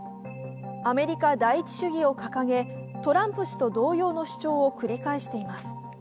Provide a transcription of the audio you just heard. アメリカ第一主義を掲げ、トランプ氏と同様の主張を繰り返しています。